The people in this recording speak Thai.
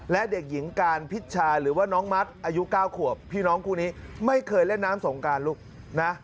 และเด็กหญิงการพิชชาหรือว่าน้องมัดอายุ๙ขวบพี่น้องคู่นี้ไม่เคยเล่นน้ำสงการลูกนะ